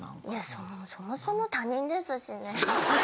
そもそも他人ですしね。